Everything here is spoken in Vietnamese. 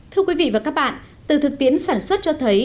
thưa quý vị và các bạn từ thực tiễn sản xuất cho thấy